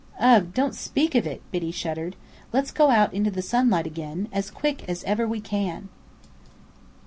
"Ugh, don't speak of it!" Biddy shuddered, "Let's go out into the sunlight again, as quick as ever we can!"